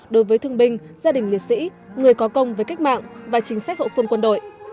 đối với thương binh gia đình liệt sĩ người có công với cách mạng và chính sách hậu phương quân đội